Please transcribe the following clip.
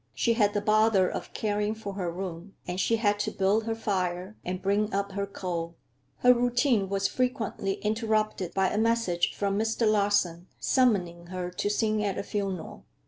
She had the bother of caring for her room, and she had to build her fire and bring up her coal. Her routine was frequently interrupted by a message from Mr. Larsen summoning her to sing at a funeral.